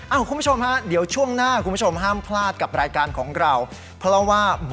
เอ้าคุณผู้ชมฮะเดี๋ยวช่วงหน้าคุณผู้ชมห้ามพลาดกับรายการของเรา